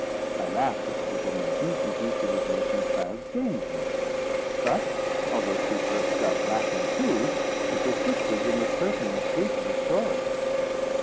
I laughed at the little maiden, thinking she was making child's game of me; but, although she burst out laughing too, she persisted in asserting the truth of her story."